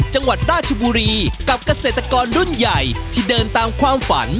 จังหวัดราชบุรีกับเกษตรกรรุ่นใหญ่ที่เดินตามความฝัน